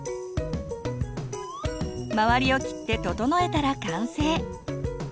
周りを切って整えたら完成。